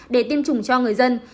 để tiêm chủng cho người dân